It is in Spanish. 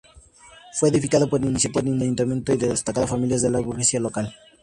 Fue edificado por iniciativa del ayuntamiento y de destacadas familias de la burguesía local.